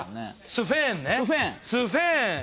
スフェーン。